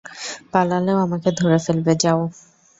পালালেও আমাকে ধরে ফেলবে, যাও।